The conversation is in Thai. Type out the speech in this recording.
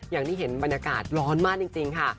อย่างที่เห็นบรรยากาศร้อนมากจริงค่ะ